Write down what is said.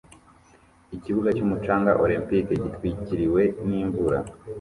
Ikibuga cyumucanga olempike gitwikiriwe nimvura